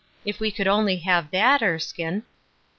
If we could only have that, Erskine."